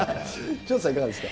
潮田さん、いかがですか？